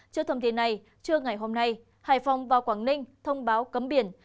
trước thông tin này trưa ngày hôm nay hải phòng và quảng ninh thông báo cấm biển